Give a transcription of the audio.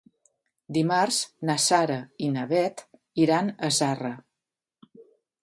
Dimarts na Sara i na Bet iran a Zarra.